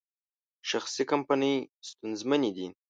شخصي کمپنۍ ستونزمنې دي.